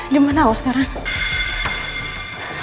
dimana aku sekarang